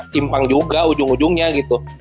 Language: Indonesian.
timpang juga ujung ujungnya gitu